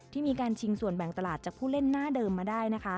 ที่มีการชิงส่วนแบ่งตลาดจากผู้เล่นหน้าเดิมมาได้นะคะ